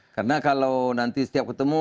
karena kalau nanti setiap ketemu